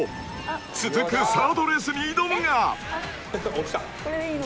［続く３ｒｄレースに挑むが］